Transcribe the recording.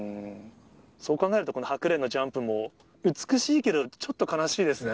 そう考えると、このハクレンのジャンプも、美しいけど、ちょっと悲しいですね。